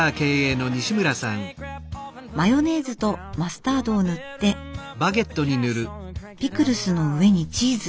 マヨネーズとマスタードを塗ってピクルスの上にチーズ。